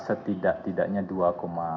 setidak tidaknya dua tiga miliar rupiah